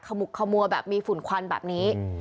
มุกขมัวแบบมีฝุ่นควันแบบนี้